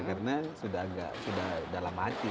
karena sudah agak dalam hati